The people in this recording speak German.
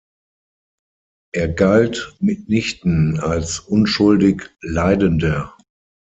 Er galt mitnichten als unschuldig Leidender.